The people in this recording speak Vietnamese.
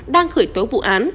đang khởi tố vụ án